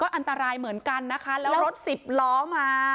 อันตรายเหมือนกันนะคะแล้วรถสิบล้อมา